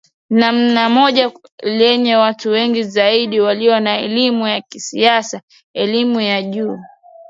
namba moja lenye watu wengi zaidi walio na elimu ya kisasa elimu ya juu